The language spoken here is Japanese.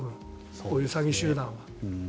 こういう詐欺集団は。